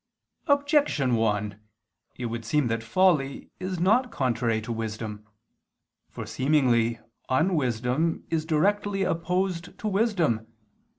Objection 1: It would seem that folly is not contrary to wisdom. For seemingly unwisdom is directly opposed to wisdom.